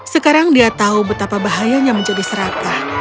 sekarang dia tahu betapa bahayanya menjadi serakah